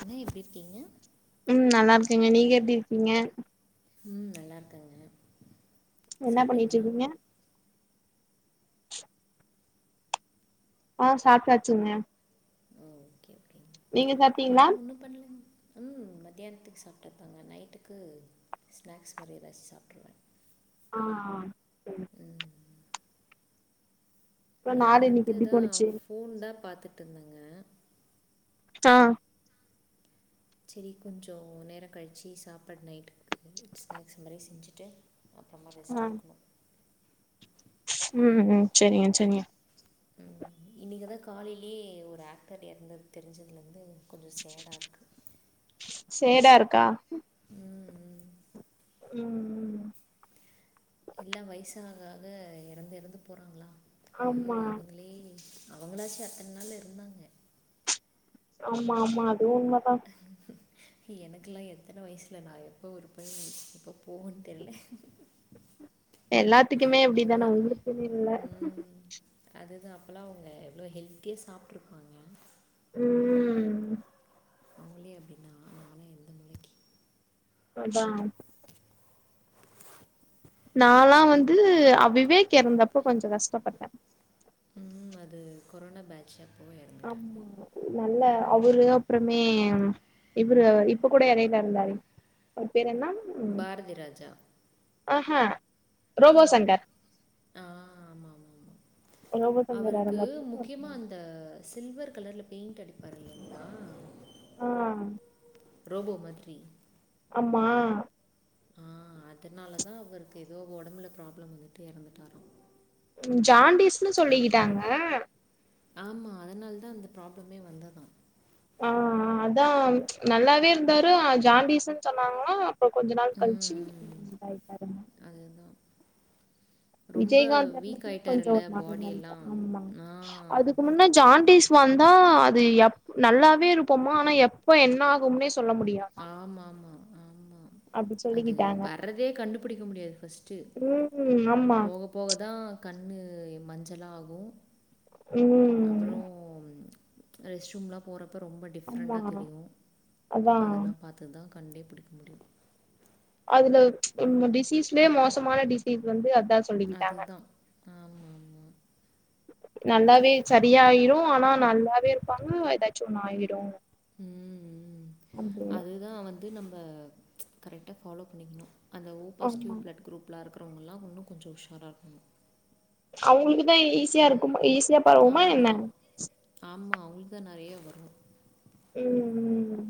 அண்ணா எப்டி இருக்கீங்க ஏங்க நீங்க எப்டி இருக்கீங்க ம் நல்லா இருக்காங்க என்ன பண்ணிட்ருக்கீங்க ஆ சாப்ட்டாச்சுங்க ம் ஓகே ஓகேங்க நீங்க சாப்ட்டீங்ளா மதியான்த்துக் சாப்டுத்தாங்க நைட்டுக்கு ஸ்நாக்ஸ் மாரி எதாச் சாப்ட்ருவே ஆ சரி அப்றோ நா நாளு இன்னைக்கு வந்து எப்டி இதா போனுச்சு ஃபோன் தா பாத்துட்டுந்தே அ செரி கொஞ்சோ நேர கழிச்சு சாப்பாட் நைட்டுக்கு ஸ்நாக்ஸ் மாரி செஞ்சுட்டு அப்றமா ஆ ரெஸ்ட் எடுக்குணு ம் ம் செரிங்க செரிங்க ம் இன்னைக்குதா காலைலியே ஒரு ஆக்டர் எற்ந்தது தெரிஞ்சதுலர்ந்து கொஞ்சு சேடா இருக்கு சேடா இருக்கா ம் ம் ம் ம் எல்லா வயசாகாக எறந்து எறந்து போறாங்ளா ஆமா அவங்களாச்சு அத்தன் நாள் இருந்தாங்க ஆமா ஆமா அதுவு உண்மதா எனக்குல்லா எத்தன வயசுல நா எப்போ இருப்பே எப்ப போவன் தெர்ல [inaudible] எல்லாத்துக்குமே இப்டித்தானே உங்களுக்குன் இல்ல அப்போலா அவுங்க எவ்ளோ ஹெல்த்தியா சாப்ட்ருப்பாங்க ம் அவுங்களே அப்டின்னா நானா எந்த மூலைக்கி அதா நாலா வந்து அ விவேக் எறந்தப்ப கொஞ்சே கஷ்டப்பட்ட ம் அது கொரோனா பேட்ச் அப்போ இறந்துட்டாங்க ஆமா இவுரு இப்ப கூட எடையில எறந்தாரே அவ்ர் பேர் என்ன பாரதிராஜா ஆஹ ம் ஆ ஆமா ஆமா ஆமா ரோபோ சங்கர் யாரோ அவருக்கு முக்கியமா அந்த சில்வர் கலர்ல பெயிண்ட்டடிப்பார் இல்லிங்ளா அ ரோபோ மாத்ரி ஆம்மா அ அதனாலதா அவருக்கு எதோ ஒடம்புல ப்ராப்ளம் வந்துட்டு எறந்துட்டாரா ம் ஜான்டிஸ்ன்னு சொல்லிக்கிட்டாங்க ஆமா அதனால் தா இந்த ப்ராப்ளமே வந்ததா அ அ அதா நல்லாவே இருந்தாரா ஜான்டிஸ்ன்னு சொன்னாங்ளா அப்போ கொஞ்ச நாள் கழிச்சு ம் இதாயிட்டாராம் அதுதான் ரொம்ப விஜய்காந்த் வீக் பத்தியும் கொஞ்சம் ஆயிட்டாருல்ல ஒரு மாரி பாடி தான் எல்லாம் இருந்தாராம் ஆமா ஆ அதுக்கு முன்ன ஜான்டிஸ் வந்தா அது எப்ப நல்லாவே இருப்போமா ஆனா எப்ப என்ன ஆகும்னே சொல்ல முடியாமா ஆமா ஆமா ஆமா அப்டி அது சொல்லிக்கிட்டாங்க வர்றதே கண்டுபிடிக்க முடியாது ஃபர்ஸ்ட்டு ம் ஆமா போக போகதான் கண்ணு மஞ்சளா ஆகும் ம் அப்புறம் ரெஸ்ட் ரூம்லா போற அப்போ ரொம்ப ஆமா டிஃப்ரெண்ட்டா தெரியும் அதா அதெல்லாம் பார்த்து தான் கண்டே பிடிக்க முடியும் அதுல டிசீஸ்லயே மோசமான டிசீஸ் வந்து அது அதுதான் ஆமா ஆமா நல்லாவே சரியாயிரும் ஆனா நல்லாவே இருப்பாங்க ஏதாச்சும் ஒண்ணு ஆயிரும் உம் உம் அதுதான் வந்து அது நம்ம கரெக்டாக ஃபாலோ பண்ணிக்கணும் அந்த ஓ ஆமா பாஸிடிவ் பிளட் குரூப்பெலாம் இருக்கும் இருக்குறவங்களாம் இன்னும் கொஞ்சம் உஷாரா இருக்கணும் அவங்களுக்குதான் ஈஸியா இருக்குமா ஈஸியா பரவுமா என்ன அவுங்களுக்கு தான் நிறைய வரும் உம் உம்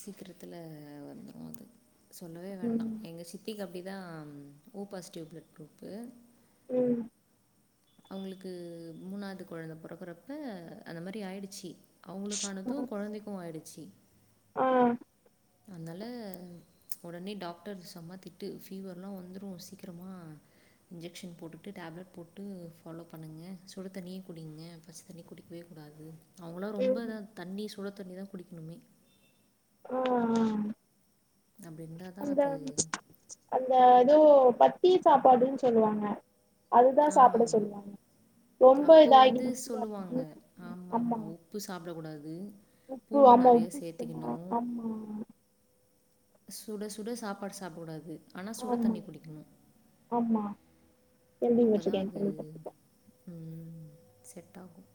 சீக்கிரத்துல வந்துரும் அது சொல்லவே வேண்டாம் ம் எங்க சித்திக்கு அப்ப அப்படிதான் ஓ பாசிட்டிவ் ப்ளட் குருப்பு உம் அவங்களுக்கு மூணாவது குழந்தை பிறகுறப்ப அந்த மாதிரி ஆயிடுச்சு அவங்களுக்கானதும் குழந்தைக்கும் ஆயிடுச்சி ஆஹ் அதனால உடனே டாக்டர் செமத்திட்டு ஃபீவர்லாம் வந்துரும் சீக்கிரமா இன்ஜெக்க்ஷன் போட்டுட்டு டேப்லெட் போட்டு ஃபாலோ பண்ணுங்க சுடு தண்ணியே குடிங்க பச்ச தண்ணி குடிக்கவே கூடாது அவங்களாம் ரொம் ம் இதான் தண்ணி சுழ தண்ணி தான் குடிக்கணுமே ஆஹ் ஆஹ் அப்படி இருந்தால் தான் அந்த அது அந்த இது பத்திய சாப்பாடுன்னு சொல்லுவாங்க அதுதான் சாப்பிட சொல்லுவாங்க ரொம்ப அப்போ வந்து இதாகிடுச்சு சொல்லுவாங்க அப்டின்னு ஆமா ஆமா உப்பு சாப்பிட கூடாது உப்பு ஆமா உப்பு ஆமா சுட சுட சாப்பாடு சாப்பிடக்கூடாது ஆனா சுடு ஆமா தண்ணி குடிக்கணும் ஆமா அப்போ கேள்விப்பட்ருக்கே கேள்விப்பட்ருக்கே செட்டாகும்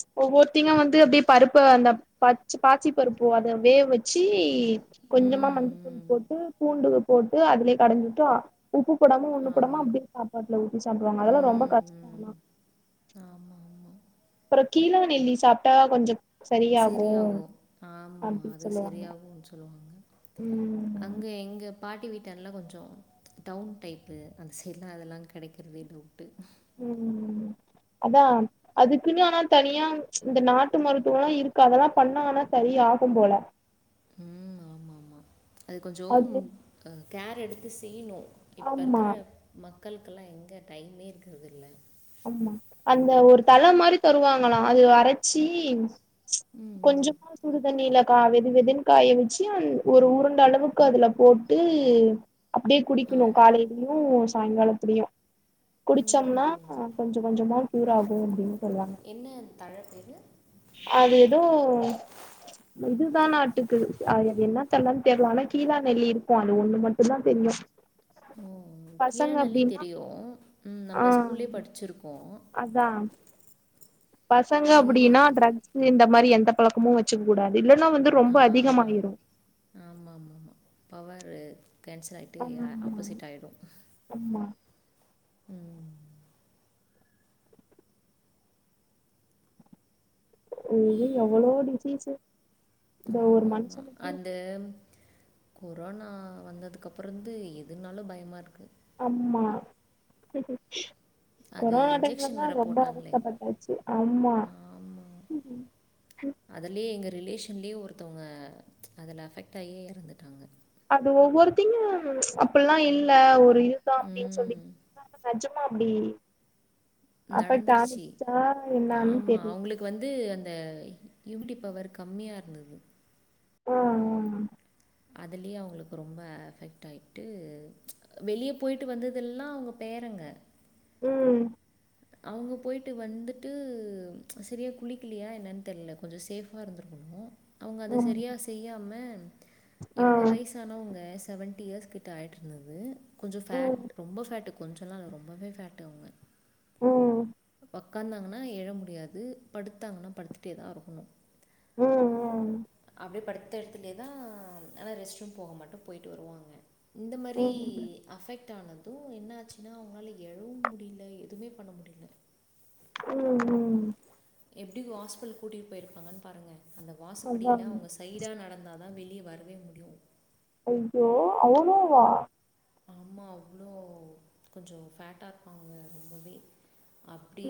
ச் ஒவ்வொருத்திங்க வந்து அப்படியே பருப்பு அந்த பச் பாசி பருப்பு அதை வேக வச்சு வச்சி கொஞ்சமா ம், மஞ்சத்தூள் ம். போட்டு பூண்டு போட்டு அதுலயே கடைஞ்சுட்டோ உப்பு போடாம ஒண்ணும்ப் போடாம ஆமா. அப்படியே சாப்பாட்டுல ஊத்தி சாப்பிடுவாங்க அதெல்லாம் ரொம்ப ம், ம். கஷ்டம் ஆமா, ஆமா. கீழா நெல்லி சாப்பிட்டா கொஞ்சம் செரியாகும் ஆமா அப்டி அது சொல்லுவாங்க சரியாகும்ன்னு சொல்லுவாங்க ம் அங்க எங்க பாட்டி வீட்டெல்லாம் கொஞ்சம் டவுன் டைப்பு அந்த சைடுலாம் அதெல்லாம் கிடைக்கிறதே டவுட்டு உம் அதா அதுக்குன்னு ஆனா தனியா இந்த நாட்டு மருத்துவோ எல்லா இருக்கு அதெல்லா பண்ணாங்கன்னா ச சரி ஆகும் போல உம் ஆமா ஆமா அது கொஞ்சோ அது அ கேர் எடுத்து செய்யணு இப்ப ஆமா இருக்கற மக்களுக்கெல்லா எங்க டைமே இருக்கறதில்ல ஆமா அந்த ஒரு தழை மாரி தருவாங்களா அது அரைச்சி கொஞ்சமா சூடுதண்ணியில கா வெது வெதுன்னு காய வச்சு ஒரு உருண்ட அளவுக்கு அதுல போட்டு அப்டியே குடிக்கணு காலையிலயு சாயங்காலத்துலயு ம் குடிச்சோம்னா ம்ஹ் கொஞ்ச கொஞ்சமா க்யூர் ஆகு அப்டின்னு சொல்லறாங்க எது அது ஏதோ இதுதா நாட்டுக்குது அது என்ன தழன்னு தெர்லா ஆனா கீழா நெல்லி இருக்கு அது ஒண்ணு மட்டுந்தா தெரியு ம் ம் பசங்க கீழாநெல்லி அப்டின்னா தெரியு ம் ஆ நம்ம ஸ்கூல்லே படிச்சிருக்கோ அதா பசங்க அப்டின்னா இதுதான் தெரியல. ட்ரக்ஸ் இந்த மாரி எந்த பழக்கமு வச்சுக்க கூடாது இல்லைன்னா வந்து ஆ ரொம்ப அதிகமாயிரு ஆமா ஆமாமா. பவரு கேன்சல் ஆயிட்டு ஆப்போசிட் ஆயிடு அம்மா ம் இது எவ்ளோ டிசீசு இந்த ஒரு ஆமாமா. மனுஷனுக்கு அந்த கொரோனா வந்ததுக்கு அப்பறந்து எதுனாலு பயமா இருக்கு அம்மா அது கொரோனா இன்ஜெக்ஷன் டைம்லதா வேற ரொம்ப போட்டாங்களே. அவஸ்தப்பட்டாச்சு ஆம்மா ம் அதுலே எங்க ரிலேஷன்லேயே ஒருத்தவங்க அதில அஃபெக்டாகியே எறந்துட்டாங்க அது ஒவ்வொருத்தையு அப்பெல்லா இல்ல ஒரு இதுதா அப்டின்னு சொல்லி ம். [inaudible] நெஜமா அப்டி நடந்துருச்சு. அஃபெக்டாயிருச்சா என்னான்னு தெர்ல இந்த யூமிட்டி பவர் கம்மியா இருந்தது ஆ அதுலே அவங்களுக்கு ரொம்ப அஃபெக்ட் ஆயிட்டு வெளிய போயிட்டு வந்ததெல்லா அவங்க பேர் இருங்க ம் அவங்க போயிட்டு வந்துட்டு செரியா குளிக்கலையா என்னன்னு தெரியல கொஞ்சோ சேஃபா இருந்திருகணு ணு அவங்க அத ஆமா செரியா செய்யாம ஆ இவங்க வயசானவங்க செவன்டி இயர்ஸ் கிட்ட ஆயிட்டு இருந்தது கொஞ்சோ ஃபேட் ம் ரொம்ப ஃபேட் கொஞ்சோல்லா இல்ல ரொம்வே ஃபேட்டு அவங்க ம் உக்காந்தாங்கன்னா எழ முடியாது படுத்தாங்கன்னா படுத்துட்டே தா இருக்கணு ம் அப்டியே படுத் த்த இடத்துலே தா ஆனா ரெஸ்ட் ரூம் போக மட்டு போயி்ட்டு வருவாங்க இந்த மாரி ம் ம் அஃபெக்ட் டா ஆனது என்ன ஆச்சுன்னா அவங்களால எழவு முடியல எதுமே பண்ண முடியல ம் ம் எப்டி ஹாஸ்பிட்டல் கூட்டிகிட்டு போயிருப்பாங்கன்னு பாருங்க அந்த வாசப்படியில அதான் அவங்க சைடா நடந்தாதா வெ ளிய வரவே முடியு ஐயோ அவளோ வா ஆமா அவ்ளோ கொஞ்சோ ஃபேட்டா இருப்பாங்க ரொம்பவே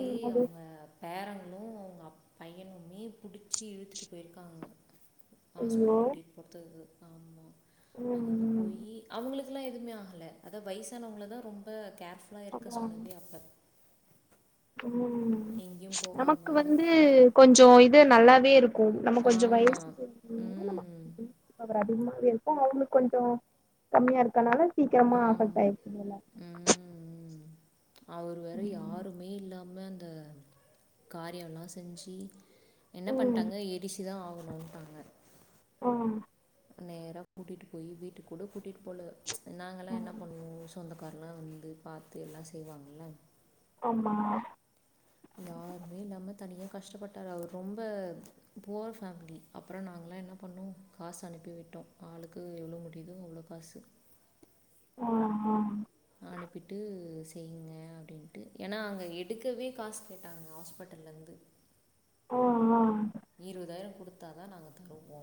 ம் அது அவுங்க பேரங்களு அவங்க அப் பையனுமே புடிச்சு இழுத்துட்டு போயிருக்காங்க ஐயோ ஹாஸ்பிட்டல் கூட்டிட்டு போற்துக்கு ம் அங்க வந்து ம் போயி அவங்களுகெல்லா எதுவுமே ஆகல அத வயசானவங்களதா ரொம்ப கேர்ஃபுல்லா இருக்க அதான் சொன்னதே அப்ப ம் எங்கேயும் போகாம. நமக்கு வந்து கொஞ்சோ இது நல்லாவே இருக் கு நம்ம கொஞ்சோ ஆமா. வயசுக்கு நம்ம ம். இமியூன்டி பவர் அதிகமா இருக்கு அவங்களுக்கு கொஞ்சோ கம்மியா இருக்கனால சீக்கிரமா அஃபக் ஆமா. ஆயிடுச்சு போல ம். அவர் வேற யாருமே இல்லாம அந்த காரியல்லா செஞ்சு என்ன ம் பண்ணிட்டாங்க எரிச்சுதா ஆகணுன்டாங்க ஆஹ நேரா கூட்டிட்டு போயி வீட்டுக் கூட கூட்டிட் போல நாங்கல்லா ஆ என்ன பண்ணுவோ சொந்தக்காரல்லா வந்து பாத்து எல்லா செய்வாங்கல்ல ஆமா யாருமே இல்லாம தனியா கஷ்டப்பட்டாரு அவர் ரொம்ப புவர் ஃபேம்லி அப்றொ நாங் கலா என்ன பண்ணோ காசு அனுப்பி விட்டோ ஆளுக்கு எவ்ளோ முடியுதோ அவ்ளோ காசு ஆ ஆ செய்ங்க அப்டின்ட்டு ஏன்னா அங்க எடுக்கவே காஸ் கேட்டாங்க ஹாஸ்பட்டல்லேந்து ஓ ஆ இருவதாயிரொ குடுத்தாதா நாங்க தருவோ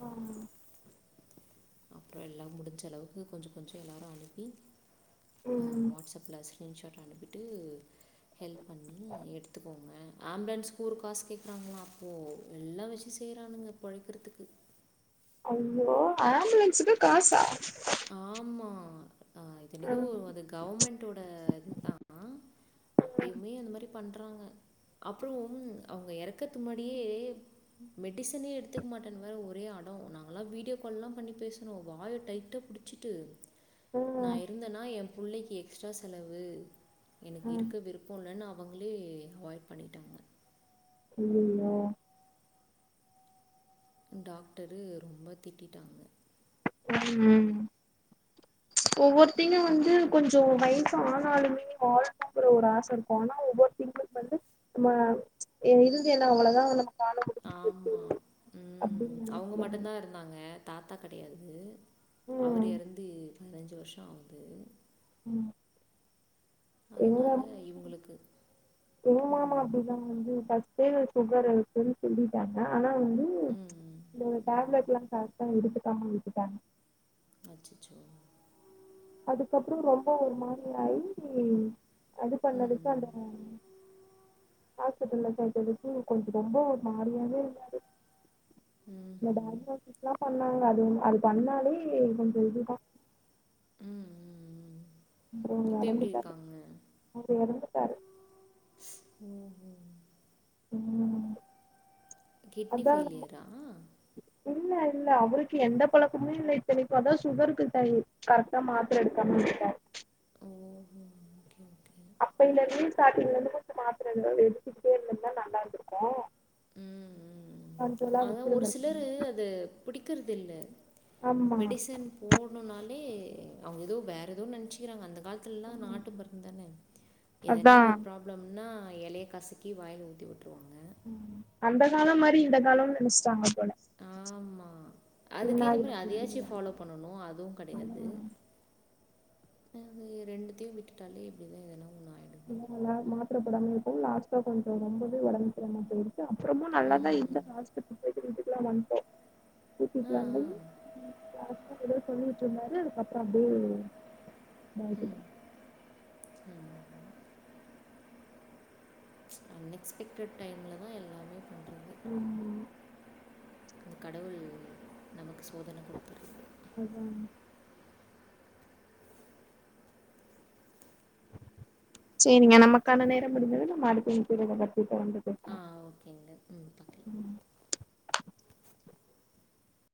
ஆ அப்றொ எல்லா முடிஞ்சளவுக்கு கொஞ்சக் கொஞ்சொ எல்லாரு அனுப்பி ஆ ம் வாட்ஸப்ல ஸ்க்ரீன்ஷாட் அனுப்பிட்டூ ஹெல்ப் பண்ணி எடுத்துக்கோங்க ஆம்புலன்ஸ்க்கு ஒரு காஸ் கேக்குறாங்களா அப்போ எல்லா வெச்சி செய்றானுங்க பொழக்கெற்த்துக்கு ஐயோ ஆம்புலன்ஸுக்கு காசா ஆமா ஆ இத்தனிக்கு ம் அது கௌம்மெண்ட்டோட இதுதா அப்பய்மே அந்த மாரி பண்றாங்க அப்றோ அவுங்க எறக்கற்த்துக் முன்னாடியே மெடிசனே எடுத்துக்க மாட்டன் வேற ஒரே அ டொ நாங்கல்லா வீடியோ கால்லா பண்ணி பேசுணோ வாய டைட்டா புடிச்சிட்டு நா ம் இருந்தனா ஏம் புள்ளைக்கி எக்ஸ்ட்ரா செலவு எனக்கு ம் இருக்க விருப்பொ இல்லனு அவங்களே அவாய்ட் பண்ணியிட்டாங்க ஐயையோ டாக்டரு ரொம்ப திட்டிட்டாங்க ம் ம் ஒவ்வொர்த்திங்க வந்து கொஞ்சொ வயசு ஆனாலுமே வாழணுங்குற ஒரு ஆச இருக்கு ஆனா ஒவ்வொருத்திங் [inaudible] வந்து நம்ம இருந்து என்னா அவ்வளோதா நம்ம காண முடியு ஆமா ம் அப்டின்னு அவுங்க நெனைக்கிறாங்க மட்டுந்தா இருந்தாங்க தாத்தா கடையாது அவரு ம் எறந்து பதினஞ்சு வர்ஷொ ஆவுது ம் அதனால இவுங்களுக்கு ஏ மாமா அப்டிதா வந்து ஃபஸ்ட்டே ஷுகர் இருக்குன் சொல்லிட்டாங்க ஆனா வந்து ம் இந்த ம் டேப்லெட்லா கரெக்ட்டா எடுத்துக்காம விட்டுட்டாங்க அச்சச்சோ அதுக்கப்றொ ரொம்பொ ஒரு மாரியாயி அது ம் பண்ணதுக்கு அந்த ம் ஹாஸ்பிட்டல்ல சேத்ததுக்கு கொஞ்சொ ரொம்போ ஒரு மாறியாவே இருந்தாரு நா ம்ஹும். டாக்டர்கிட்லா சொன்னாங்க அது அது பண்ணாலே கொஞ்சொ இதுதா ம் ம் அப்றொ இப்போ எப்படி எறந்துட்டாரு இருக்காங்க அவரு எறந்துட்டாரு ஸ் ம் ம் ம் கிட்னி அதா ஃபெய்லியரா இல்ல இல்ல அவருக்கு எந்த பழக்கம்மே இல்ல இத்தனைக்கு அதா சுகருக்கு [unintelligible] கரெக்ட்டா மாத்ர எடுக்காம விட்டாரு ஓ ஹொ ஓகே அப்பைலேர்ந்தே ஸ்டாட்டிங்லேந்து [inaudible] மாத்ர அ எடுத்துகிட்டே இருந்தம்னா நல்லா இருந்துருக்கு ம் ம் அதா ஒரு சிலரு வச்சிருந்திருக்கனு அத புடிக்கற்து இல்ல ஆமா மெடிசன் போ னுனாலே அவுங்க எதோ வேற எதோ நென்ச்சிக்கிறாங்க அந்த காலத்துல்லா நாட்டு மருந்தானே இது என்னா அதா ஒரு ப்ராபளம் ன்னா எலய கசக்கி வாயில ஊத்தி வுட்ருவாங்க ம் அந்த காலம் மாரி இந்த காலமு நனச்சுட்டாங்க போல என்ன அதுக்குகே மாறி அரிசி ஆகுறது ஃபாலோ பண்ணனு அதுவு கடயாது அது ரெண்டுத்தயு விட்டுட்டாலே இப்டிதா எனா உ நல்லா மாத்தர போடாம இருக்குவு லாஸ்டா கொஞ்சோ ரொம்பவே உடம்புக்குறாம போயிடுது அப்புறமு நல்லா தா ம். இருந்தாங்க ஹாஸ்பிடல் போய்ட்டு கூட்டிடலா வந்தோ கூட்டிட்டு ஆ, வந்தோ ஆ. யார்ட்டயோ எதோ சொல்லிட்டு இருந்தாரு அதுக்கப்பறோ அப்டியே உம் உம் அன் எக்ஸ்பெக்டட் டைம்ல தா எல்லாமே பண்ற உம் இந்த கடவுள் நமக்கு சோதன கொடுத்துற அதா சரிங்க நமக்கான நேரோ முடிஞ்சது நம்ம அடுத்த [unintelligible] அ பேசலாம் ஓகேங்க உம் ஒகே ஒகே